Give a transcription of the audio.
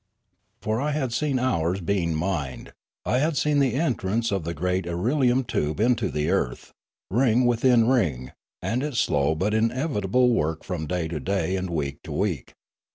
For I had seen ours being mined; I had seen the entrance of the great irelium tube into the earth, ring within ring, and its slow but inevitable work from day to day and week to week.